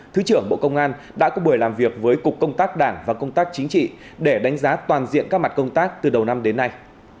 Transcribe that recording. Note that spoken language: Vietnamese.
thứ trưởng bộ công an đã có buổi làm việc với cục công tác đảng và công tác chính trị để đánh giá toàn diện các mặt công tác từ đầu năm đến nay